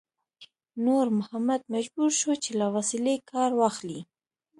نور محمد مجبور شو چې له وسلې کار واخلي.